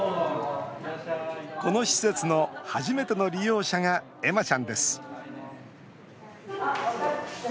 この施設の初めての利用者が恵麻ちゃんです